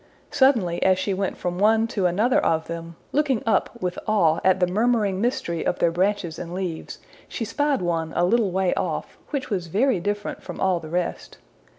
Suddenly, as she went from one to another of them, looking up with awe at the murmuring mystery of their branches and leaves, she spied one a little way off, which was very different from all the rest.